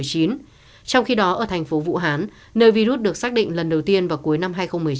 trong khi đó ở thành phố vũ hán nơi virus được xác định lần đầu tiên vào cuối năm hai nghìn một mươi chín